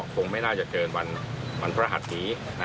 คงไม่น่าจะเกินวันพระหัสนี้